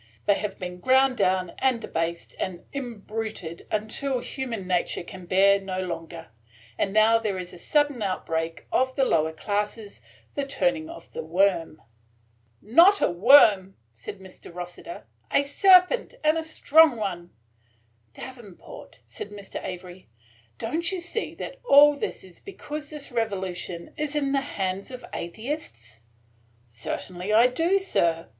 "They have been ground down and debased and imbruted till human nature can bear no longer, and now there is a sudden outbreak of the lower classes, – the turning of the worm." "Not a worm," said Mr. Rossiter, "a serpent, and a strong one." "Davenport," said Mr. Avery, "don't you see that all this is because this revolution is in the hands of atheists?" "Certainly I do, sir.